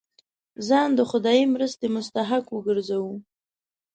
ځان د خدايي مرستې مستحق وګرځوو.